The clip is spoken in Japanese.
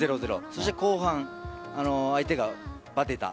そして後半相手がバテた。